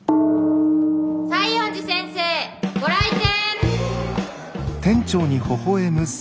西園寺先生ご来店！